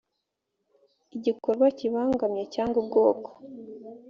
igikorwa kibangamye cyangwa ubwoko